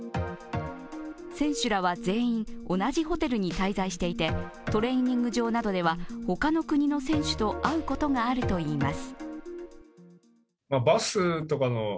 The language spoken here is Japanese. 選手らは全員同じホテルに滞在していてトレーニング場などでは他の国の選手と会うことがあるといいます。